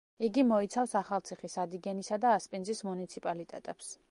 იგი მოიცავს: ახალციხის, ადიგენისა და ასპინძის მუნიციპალიტეტებს.